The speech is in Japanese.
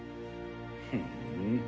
ふん。